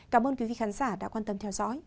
cảm ơn quý vị khán giả đã quan tâm theo dõi